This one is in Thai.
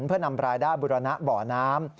เพื่อนำรายได้บุรณะบ่อน้ำ